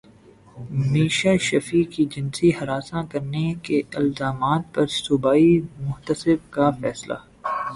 میشا شفیع کے جنسی ہراساں کرنے کے الزامات پر صوبائی محتسب کا فیصلہ